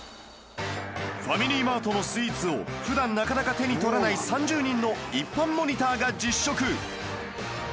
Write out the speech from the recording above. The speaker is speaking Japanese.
ファミリーマートのスイーツを普段なかなか手に取らない３０人の一般モニターが実食